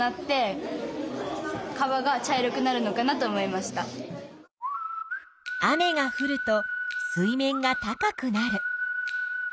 まず雨がふると水面が高くなる。